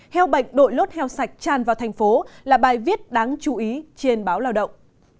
heo bệnh đội lốt heo sạch tràn vào thành phố là bài viết đáng chú ý trên báo lao động